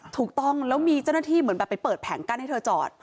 ถูกต้องแล้วมีเจ้าหน้าที่เหมือนแบบไปเปิดแผงกั้นให้เธอจอด